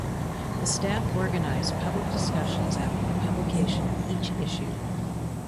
The staff organized public discussions after the publication of each issue.